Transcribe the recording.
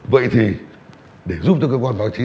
vậy thì để giúp cho cơ quan báo chí